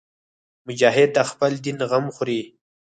مجاهد د خپل دین غم خوري.